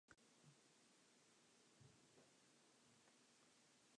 It became very popular, not only in Japan, but around the English-speaking world.